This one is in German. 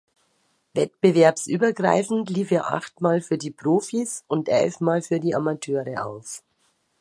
Wettbewerbsübergreifend lief er achtmal für die Profis und elf Mal für die Amateure auf.